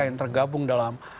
yang tergabung dalam